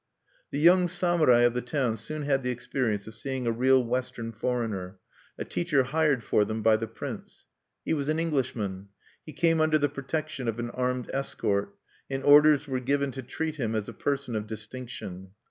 The young samurai of the town soon had the experience of seeing a real Western foreigner, a teacher hired for them by the prince. He was an Englishman. He came under the protection of an armed escort; and orders were given to treat him as a person of distinction.